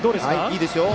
いいですよ。